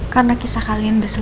karena kisah kalian udah selesai